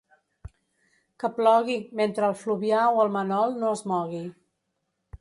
Que plogui, mentre el Fluvià o el Manol no es mogui.